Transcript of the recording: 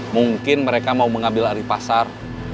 mungkin mereka mau mengambil alih pasar